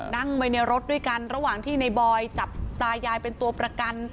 นั่งไปในรถด้วยกันระหว่างที่ในบอยจับตายายเป็นตัวประกัน